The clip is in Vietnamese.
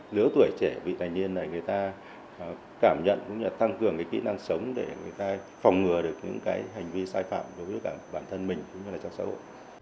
lứa tuổi trẻ vị thành niên này người ta cảm nhận cũng như là tăng cường kỹ năng sống để người ta phòng ngừa được những cái hành vi sai phạm đối với cả bản thân mình cũng như là cho xã hội